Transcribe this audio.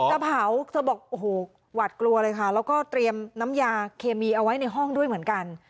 จะเผาเธอบอกโอ้โหหวัดกลัวเลยค่ะแล้วก็เตรียมน้ำยาเคมีเอาไว้ในห้องด้วยเหมือนกัน